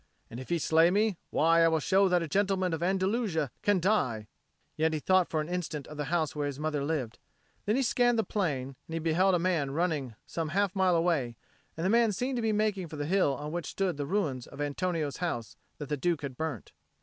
And if he slay me, why, I will show that a gentleman of Andalusia can die;" yet he thought for an instant of the house where his mother lived. Then he scanned the plain, and he beheld a man running some half mile away; and the man seemed to be making for the hill on which stood the ruins of Antonio's house that the Duke had burnt.